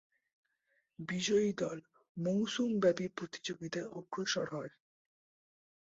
বিজয়ী দল মৌসুমব্যাপী প্রতিযোগিতায় অগ্রসর হয়।